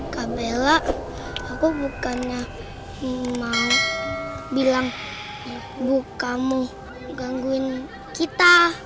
kak bella aku bukannya mau bilang ibu kamu gangguin kita